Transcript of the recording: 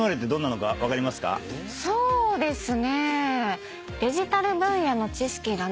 そうですね。